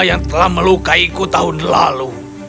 yang telah melukaiku tahun lalu